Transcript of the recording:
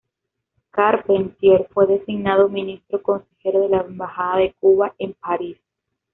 Carpentier fue designado ministro consejero de la Embajada de Cuba en París.